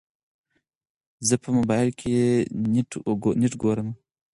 زه په موبايل کې نېټه ګورم.